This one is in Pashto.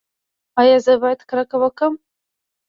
ایا زه باید کرکه وکړم؟